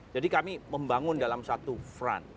jadi kami membangun dalam satu front